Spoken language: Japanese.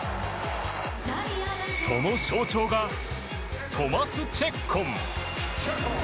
その象徴がトマス・チェッコン。